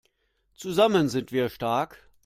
Zusammen sind wir stark!